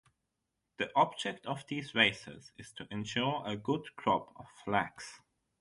The object of these races is to ensure a good crop of flax.